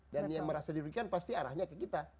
dan yang merasa dirugikan pasti arahnya ke kita